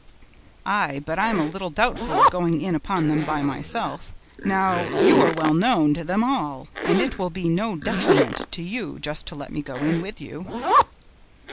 "Aye, but I'm a little doubtful of going in upon them by myself; now, you are well known to them all, and it will be no detriment to you just to let me go in with you."